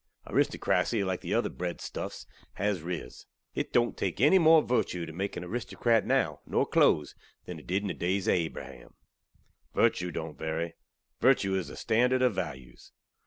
Aristokrasy, like of the other bred stuffs, haz riz. It don't take enny more virtew tew make an aristokrat now, nor clothes, than it did in the daze ov Abraham. Virtew don't vary. Virtew is the standard ov values.